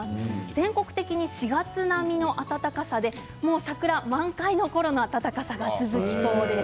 全国的に４月並みの暖かさでもう桜満開のころの暖かさが続きそうです。